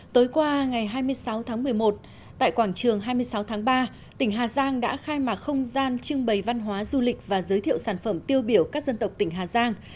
tối qua ngày hai mươi sáu tháng một mươi một tại quảng trường hai mươi sáu tháng ba tỉnh hà giang đã khai mạc không gian trưng bày văn hóa du lịch và giới thiệu sản phẩm tiêu biểu các dân tộc tỉnh hà giang